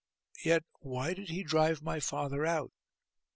Yet why did he drive my father out?